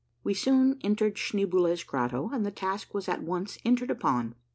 We soon entered Schneeboule's grotto, and the task was at once entered upon.